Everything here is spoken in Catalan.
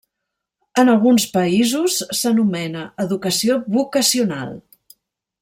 En alguns països s'anomena educació vocacional.